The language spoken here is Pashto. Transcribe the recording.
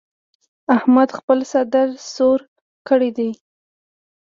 احمد خپل څادر سور کړ دی.